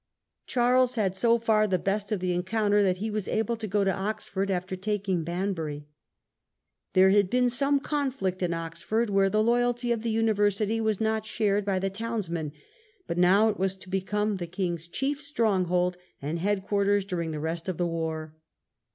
Charles had so far the best of the encounter that he was able to go on to Oxford after taking Banbury. There had been some conflict in Oxford, where the The march to loyalty of the University was not shared by London, the townsmen; but now it was to become the king's chief stronghold and head quarters during the rest of the war.